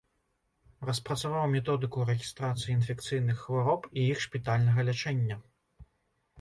Распрацаваў методыку рэгістрацыі інфекцыйных хвароб і іх шпітальнага лячэння.